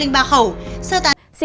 xin cảm ơn quý vị